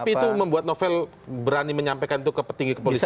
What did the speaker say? tapi itu membuat novel berani menyampaikan itu ke petinggi kepolisian